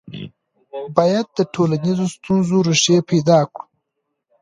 باید د ټولنیزو ستونزو ریښې پیدا کړو.